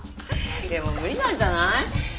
でも無理なんじゃない？